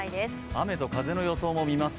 雨と風の予想も見ます。